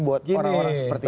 buat orang orang seperti